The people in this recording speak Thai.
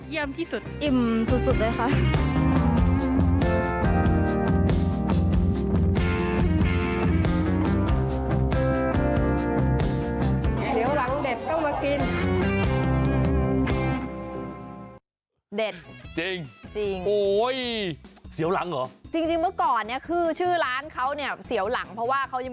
ยอดเยี่ยมที่สุด